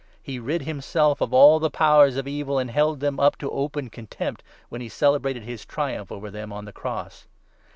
He rid himself of all the 15 Powers of Evil, and held them up to open contempt, when he celebrated his triumph over them on the cross